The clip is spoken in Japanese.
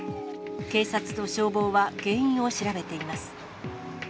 警察と消防は原因を調べています。